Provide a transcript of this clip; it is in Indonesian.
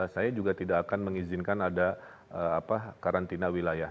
saya juga tidak akan mengizinkan ada karantina wilayah